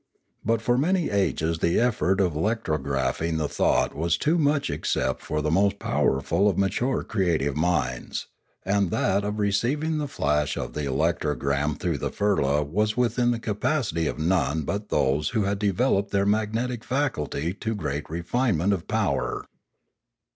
But for many ages the effort of electrographiug the thought was too much ex cept for the most powerful of mature creative minds; and that of receiving the flash of the electrogram through the firla was within the capacity of none but those who had developed their magnetic faculty to great refinement of power.